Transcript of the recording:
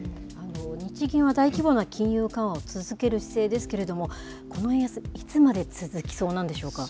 日銀は大規模な金融緩和を続ける姿勢ですけれども、この円安、いつまで続きそうなんでしょうか。